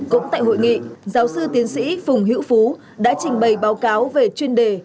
cũng tại hội nghị giáo sư tiến sĩ phùng hữu phú đã trình bày báo cáo về chuyên đề